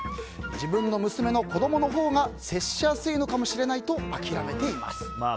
自分の娘の子供のほうが接しやすいのかもしれないと諦めています。